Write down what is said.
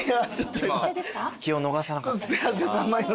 隙を逃さなかった。